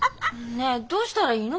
ねえどうしたらいいの？